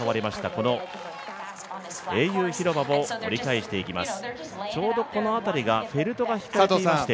この英雄広場を折り返してきます。